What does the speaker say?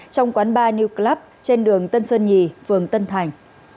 trong quán bar new club trên đường tân sơn nhì phường tân thành